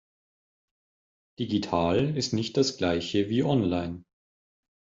Digital ist nicht das Gleiche wie online.